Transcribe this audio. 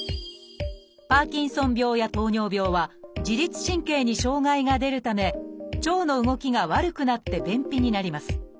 「パーキンソン病」や「糖尿病」は自律神経に障害が出るため腸の動きが悪くなって便秘になります。